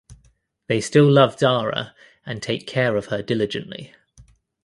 They still love Dhara and take care of her diligently.